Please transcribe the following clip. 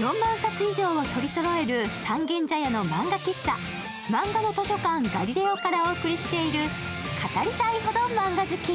４万冊以上を取りそろえる三軒茶屋の漫画喫茶、まんがの図書館ガリレオからお送りしている「語りたいほどマンガ好き」。